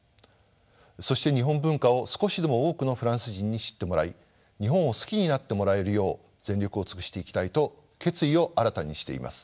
そして日本文化を少しでも多くのフランス人に知ってもらい日本を好きになってもらえるよう全力を尽くしていきたいと決意を新たにしています。